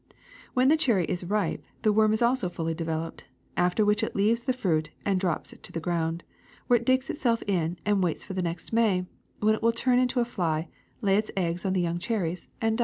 When the cherry is ripe the worm is also fully developed, after which it leaves the fruit and drops to the ground, where it digs itself in and waits for the next May, when it will turn into a fly, lay its eggs on the young cherries, and die."